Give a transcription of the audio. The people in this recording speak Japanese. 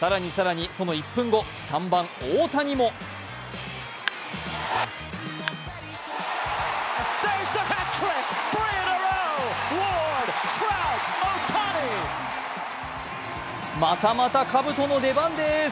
更に更に、その１分後、３番・大谷もまたまたかぶとの出番です。